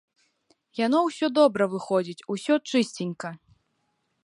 Яно ўсё добра выходзіць, усё чысценька.